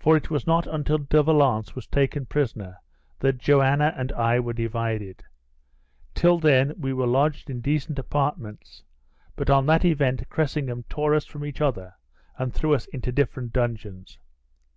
For it was not until De Valence was taken prisoner that Joanna and I were divided. Till then we were lodged in decent apartments, but on that event Cressingham tore us from each other, and threw us into different dungeons.